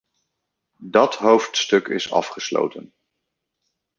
Dat hoofdstuk is afgesloten.